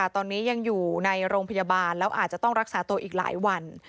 ตอนนี้ยังอยู่ในโรงพยาบาลแล้วอาจจะต้องรักษาตัวอีกหลายวัน